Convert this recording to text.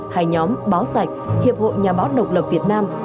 hay nhóm báo sạch hiệp hội nhà báo độc lập việt nam